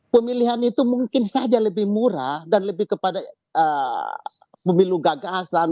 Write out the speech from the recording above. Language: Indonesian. pemilihan itu mungkin saja lebih murah dan lebih kepada pemilu gagasan